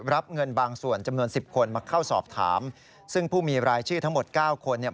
รับเงินบางส่วนจำนวนสิบคนมาเข้าสอบถามซึ่งผู้มีรายชื่อทั้งหมดเก้าคนเนี่ย